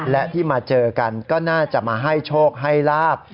และที่มาเจอกันก็น่าจะมาให้โชคให้ลาบ